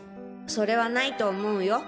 それはないと思うよ。